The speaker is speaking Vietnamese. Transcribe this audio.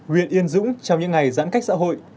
huyện yên dũng trong những ngày giãn cách xã hội